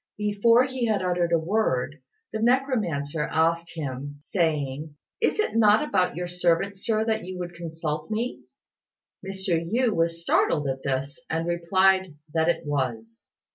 Before he had uttered a word, the necromancer asked him, saying, "Is it not about your servant, Sir, that you would consult me?" Mr. Yü was startled at this, and replied that it was.